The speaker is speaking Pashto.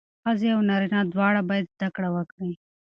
ښځې او نارینه دواړه باید زدهکړه وکړي.